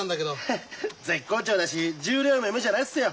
ヘッ絶好調だし十両も夢じゃないっすよ